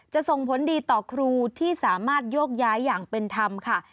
ส่งผลดีต่อครูที่สามารถโยกย้ายอย่างเป็นธรรมค่ะ